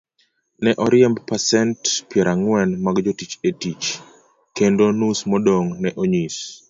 Ne oriemb pasent pierang'wen mag jotich e tich, kendo nus modong' ne onyis